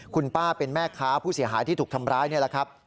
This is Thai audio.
คุณป้าเป็นแม่ค้าผู้เสียหายที่ถูกทำร้ายนี่แหละครับ